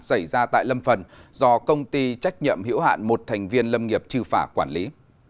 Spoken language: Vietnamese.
xảy ra tại lâm phần do công ty trách nhiệm hiểu hạn một thành viên lâm nghiệp trư phả quản lý